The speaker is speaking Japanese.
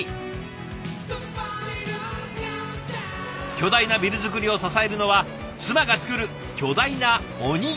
巨大なビル造りを支えるのは妻が作る巨大なおにぎりでした。